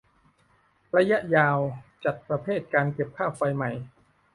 ระยะยาว จัดประเภทการเก็บค่าไฟใหม่